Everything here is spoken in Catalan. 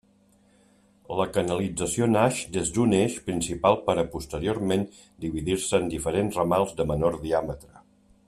La canalització naix des d'un eix principal per a posteriorment dividir-se en diferents ramals de menor diàmetre.